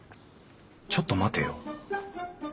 ちょっと待てよ。